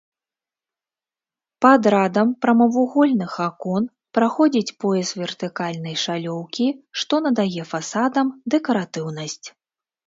Пад радам прамавугольных акон праходзіць пояс вертыкальнай шалёўкі, што надае фасадам дэкаратыўнасць.